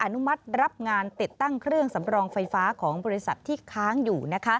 อนุมัติรับงานติดตั้งเครื่องสำรองไฟฟ้าของบริษัทที่ค้างอยู่